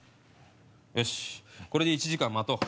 よしこれで１時間待とう。